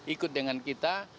ikut dengan kita